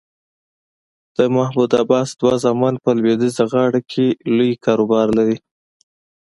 د محمود عباس دوه زامن په لویدیځه غاړه کې لوی کاروبار لري.